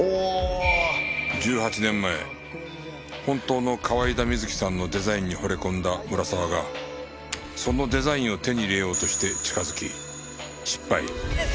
１８年前本当の河井田瑞希さんのデザインに惚れ込んだ村沢がそのデザインを手に入れようとして近づき失敗。